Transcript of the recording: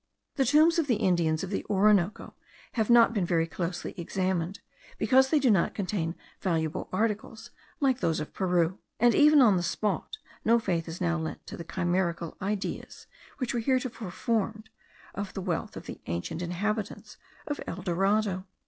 The tombs of the Indians of the Orinoco have not been very closely examined, because they do not contain valuable articles like those of Peru; and even on the spot no faith is now lent to the chimerical ideas, which were heretofore formed of the wealth of the ancient inhabitants of El Dorado.